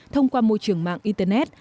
thông qua môi trường mạng internet